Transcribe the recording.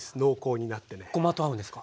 ごまと合うんですか？